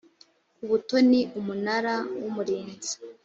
ku butoni umunara w umurinzi